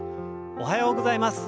おはようございます。